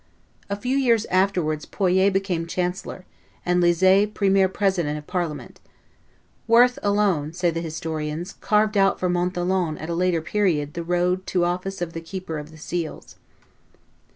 A few years afterwards Poyet became chancellor, and Lizet premier president of Parliament. "Worth alone," say the historians, "carved out for Montholon at a later period the road to the office of keeper of the seals."